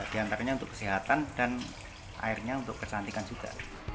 di antaranya untuk kesehatan dan airnya untuk kecantikan juga